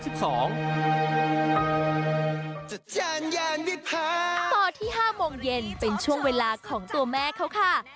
ต่อที่๕โมงเย็นเป็นช่วงเวลาของตัวแม่เขาค่ะ